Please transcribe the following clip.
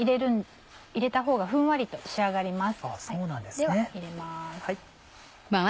では入れます。